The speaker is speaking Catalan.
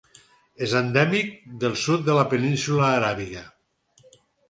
És endèmic del sud de la península Aràbiga.